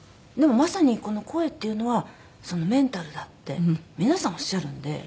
でもまさにこの声っていうのはメンタルだって皆さんおっしゃるんで。